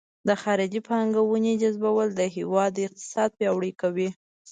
د خارجي پانګونې جذبول د هیواد اقتصاد پیاوړی کوي.